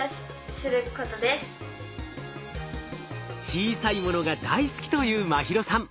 小さいものが大好きという茉尋さん。